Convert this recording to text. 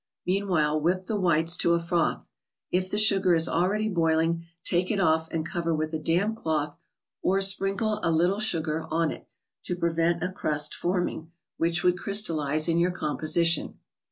Meanwhile, whip the whites to a froth. If the sugar is already boiling, take it off, and cover with a damp cloth, or sprinkle a little ICED PUDDINGS, ETC. 61 sugar on it, to prevent a crust forming, which would crystalize in your composition.